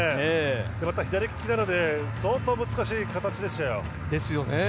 また左利きなので相当難しい形でしたよ。